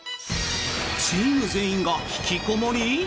チーム全員が引きこもり？